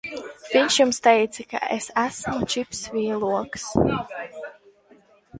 Viņš jums teica, ka es esmu Čips Vīloks?